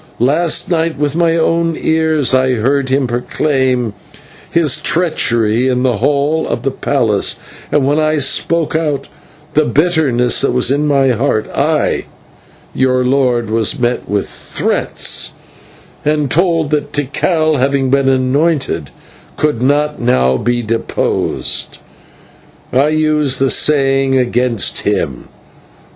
Last night with my own ears I heard him proclaim his treachery in the hall of the palace, and when I spoke out the bitterness that was in my heart, I, your lord, was met with threats, and told that Tikal, having been anointed, could not now be deposed. I use the saying against him.